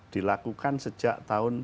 dilakukan sejak tahun